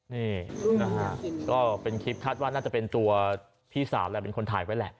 นี่นะฮะก็เป็นคลิปคาดว่าน่าจะเป็นตัวพี่สาวแหละเป็นคนถ่ายไว้แหละ